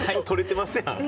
取れてますやん。